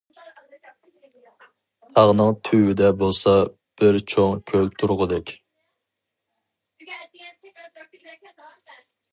تاغنىڭ تۈۋىدە بولسا بىر چوڭ كۆل تۇرغۇدەك.